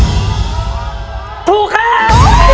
แล้ววันนี้ผมมีสิ่งหนึ่งนะครับเป็นตัวแทนกำลังใจจากผมเล็กน้อยครับ